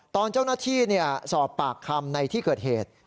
ตอนเจ้าหน้าที่สอบปากคำในที่เกิดเหตุ